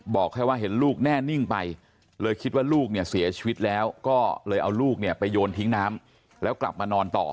บอกแค่ว่าเห็นลูกแน่นิ่งไปเลยคิดว่าลูกเนี่ยเสียชีวิตแล้วก็เลยเอาลูกเนี่ยไปโยนทิ้งน้ำแล้วกลับมานอนต่อ